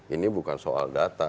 ini bukan soal data